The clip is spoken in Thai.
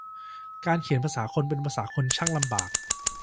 การเขียนภาษาคนเป็นภาษาคนช่างลำบาก